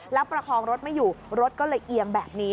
แล้วประคองรถไม่อยู่รถก็เลยเอียงแบบนี้